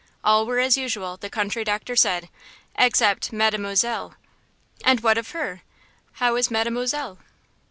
All were as usual, the country doctor said, except "Mademoiselle." "And what of her–how is Mademoiselle?"